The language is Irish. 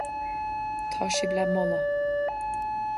Tá sibh le moladh.